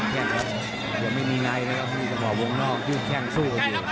ยังไม่มีใครนะครับมีสำหรับวงนอกยุดแข้งสู้